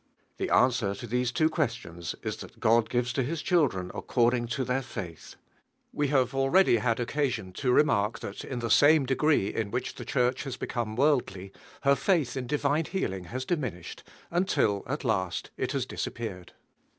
Trie answer to these two questions is that God. gives to His ,chiHrfin^ae£ru; iiing_to their faith. We have already had occa sion, to remark that in the same degree in 40 DIVINE JIEAL1WQ. which the Church has become worldly, her faith in divine healing has diminished until at last it has disappeared.